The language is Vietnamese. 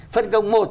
phân công một